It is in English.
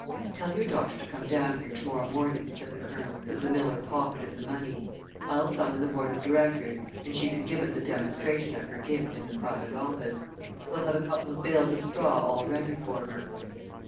"Tell your daughter to come down here to morrow morning," said the Colonel, as the miller pocketed the money. "I'll summon the board of directors and she can give us a demonstration of her gift in the private office. We'll have a couple of bales of straw all ready for her."